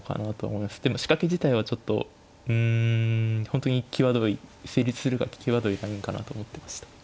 でも仕掛け自体はちょっとうん本当に際どい成立するか際どい感じかなと思ってました。